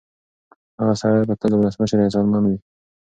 هغه سړی به تل د ولسمشر احسانمن وي.